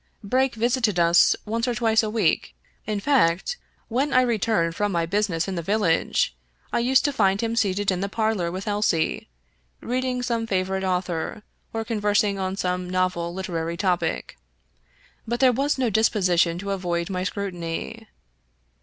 Brake visited us once or twice a week— in fact, when I returned from my business in the village, I used to find him seated in the parlor with Elsie, reading some favorite author, or conversing on some novel literary topic; but there was no disposition to avoid my scrutiny.